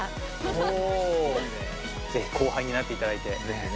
是非後輩になっていただいて。